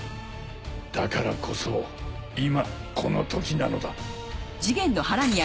だからこそ今このときなのだ。